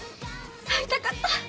会いたかった。